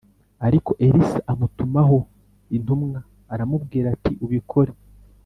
Ariko Elisa amutumaho intumwa aramubwira ati ubikore